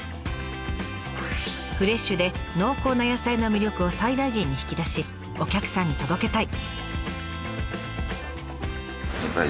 フレッシュで濃厚な野菜の魅力を最大限に引き出しお客さんに届けたい。